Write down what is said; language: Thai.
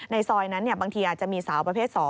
ซอยนั้นบางทีอาจจะมีสาวประเภท๒